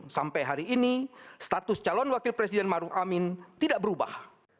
sampai hari ini status calon wakil presiden maruf amin tidak berubah